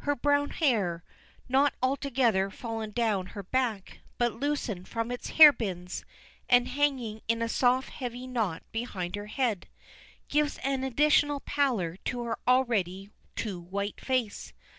Her brown hair not altogether fallen down her back, but loosened from its hairpins, and hanging in a soft heavy knot behind her head gives an additional pallor to her already too white face.